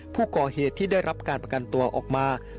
ผู้ก่อเหตุที่ได้รับการประกันตัวออกมา